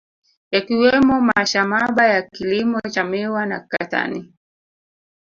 Yakiwemo mashamaba ya kilimo cha miwa na katani